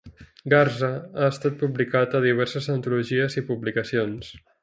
Garza ha estat publicat a diverses antologies i publicacions.